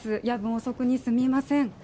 夜分遅くにすみません。